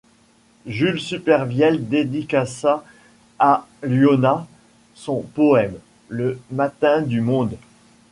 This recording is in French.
Jules Supervielle dédicaça à Llona son poème 'Le matin du monde'.